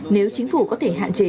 nếu chính phủ có thể hạn chế